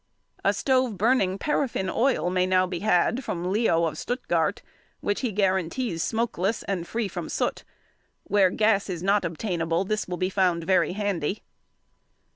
] A stove burning paraffin oil may now be had from Leo of |121| Stuttgart, which he guarantees smokeless and free from soot; where gas is not obtainable, this will be found very handy.